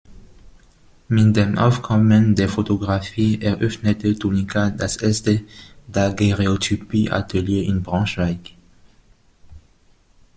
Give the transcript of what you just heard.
Mit dem Aufkommen der Fotografie eröffnete Tunica das erste Daguerreotypie-Atelier in Braunschweig.